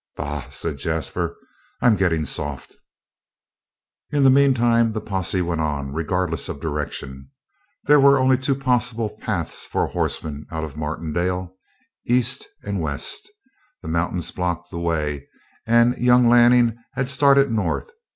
"Bah!" said Jasper. "I'm getting soft!" In the meantime the posse went on, regardless of direction. There were only two possible paths for a horseman out of Martindale; east and west the mountains blocked the way, and young Lanning had started north.